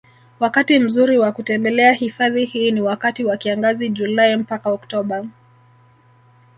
Wakati mzuri wa kutembelea hifadhi hii ni wakati wa kiangazi Julai mpaka Octoba